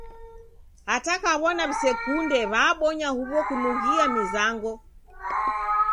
Hata kaw'ona w'isekunde w'abonya huw'o kunughjia mizango.